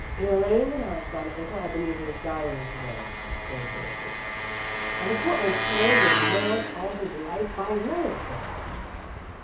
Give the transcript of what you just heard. "Elaine and I found Uncle Ebeneezer's diary to day," explained Dorothy, "and the poor old soul was nagged all his life by relatives.